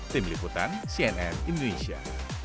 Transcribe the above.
tim liputan cnn indonesia